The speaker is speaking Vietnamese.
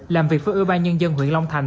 làm việc với ủy ban nhân dân huyện long thành